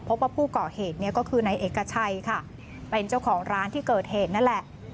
พบว่าผู้ก่อเหตุเนี่ยก็คือนายเอกชัยค่ะเป็นเจ้าของร้านที่เกิดเหตุนั่นแหละ